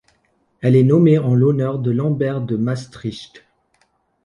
Elle est nommée en l'honneur de Lambert de Maastricht.